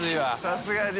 さすがに。